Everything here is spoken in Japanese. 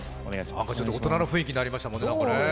なんかちょっと大人の雰囲気になりましたもんね。